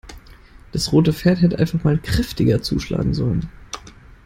Das rote Pferd hätte einfach mal kräftiger zuschlagen sollen.